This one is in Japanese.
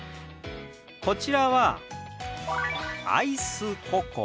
こちらは「アイスココア」。